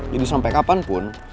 jadi sampai kapanpun